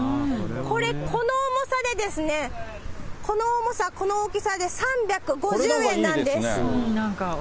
これ、この重さでですね、この重さ、この大きさで３５０円なんです。